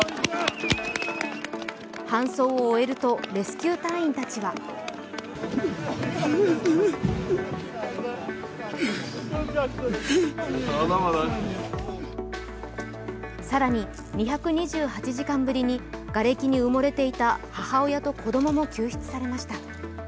搬送を終えるとレスキュー隊員たちは更に、２２８時間ぶりにがれきに埋もれていた母親と子供も救出されました。